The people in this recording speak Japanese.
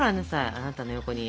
あなたの横に！